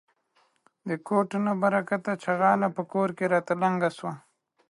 د کوټه له برکته ،چغاله په کور کې راته لنگه سوه.